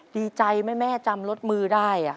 ดีใจแม่จำลดมือได้